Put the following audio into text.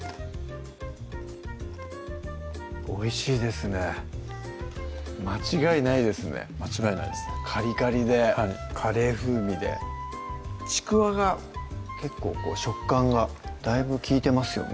おいしいですね間違いないですね間違いないですカリカリでカレー風味でちくわが結構食感がだいぶ利いてますよね